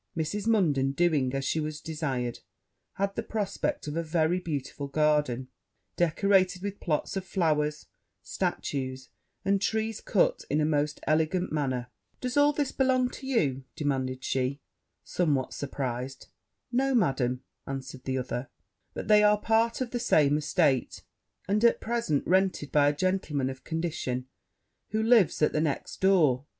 Mrs. Munden doing as she was desired, had the prospect of a very beautiful garden, decorated with plots of flowers, statues, and trees cut in a most elegant manner. 'Does all this belong to you?' demanded she, somewhat surprized. 'No, Madam,' answered the other; 'but they are part of the same estate, and, at present, rented by a gentleman of condition, who lives at the next door.